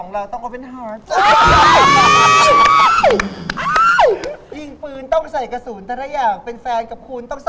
แล้วเขาเป็นใคร